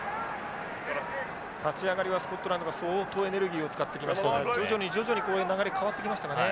立ち上がりはスコットランドが相当エネルギーを使ってきましたが徐々に徐々に流れ変わってきましたかね。